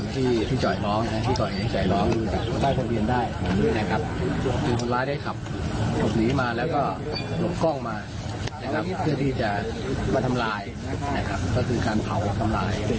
ก็กล้องมาเพื่อที่จะมาทำลายคือการเผาทำลาย